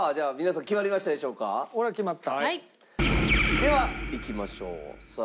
ではいきましょうさあ